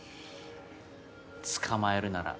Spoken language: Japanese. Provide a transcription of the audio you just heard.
つかまえるなら。